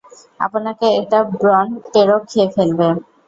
আপনাকে একটা ব্রনটেরক খেয়ে ফেলবে!